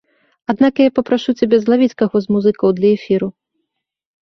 Аднак я папрашу цябе злавіць каго з музыкаў для эфіру.